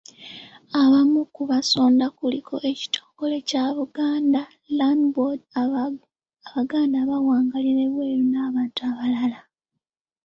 Abamu ku baasonda kuliko ekitongole kya Buganda Land Board, abaganda abawangaalira ebweru n'abantu abalala.